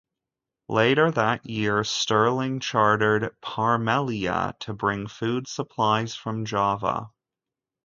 Later that year, Stirling chartered "Parmelia" to bring food supplies from Java.